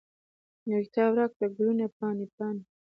یو کتاب راکړه، ګلونه پاڼې، پاڼې